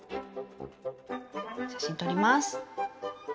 写真撮ります。